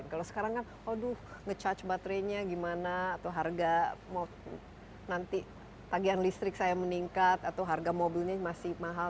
kalau sekarang kan waduh nge charge baterainya gimana atau harga nanti tagihan listrik saya meningkat atau harga mobilnya masih mahal